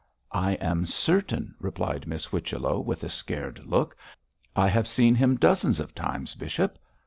'I am certain,' replied Miss Whichello, with a scared look. 'I have seen him dozens of times. Bishop!'